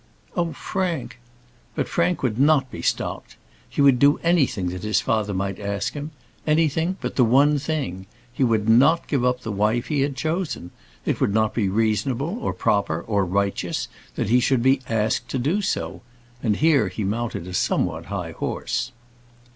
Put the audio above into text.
"Oh, Frank!" But Frank would not be stopped. He would do anything that his father might ask him. Anything but the one thing. He would not give up the wife he had chosen. It would not be reasonable, or proper, or righteous that he should be asked to do so; and here he mounted a somewhat high horse.